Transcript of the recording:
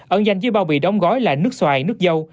ẩn danh với bao bì đóng gói là nước xoài nước dâu